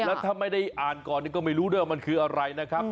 แล้วถ้าไม่ได้อ่านก่อนก็ไม่รู้ด้วยว่ามันคืออะไรนะครับ